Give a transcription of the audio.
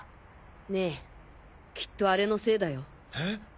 ねぇきっとあれのせいだよ。え？